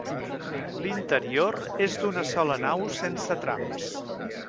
L'interior és d'una sola nau sense trams.